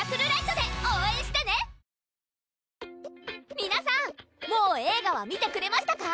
皆さんもう映画は見てくれましたか？